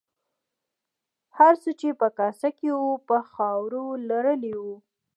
هر څه چې په کاسه کې وو په خاورو لړلي وو.